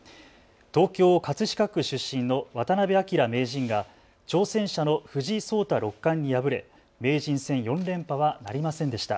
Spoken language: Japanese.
東京葛飾区出身の渡辺明名人が挑戦者の藤井聡太六冠に敗れ名人戦４連覇はなりませんでした。